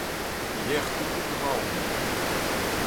Yer Koukoug Roazhon.